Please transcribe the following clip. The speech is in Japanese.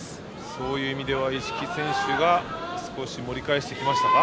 そういう意味では一色選手が少し盛り返してきましたか。